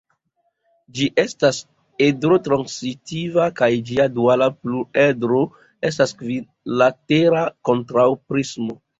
Ĝi estas edro-transitiva kaj ĝia duala pluredro estas kvinlatera kontraŭprismo.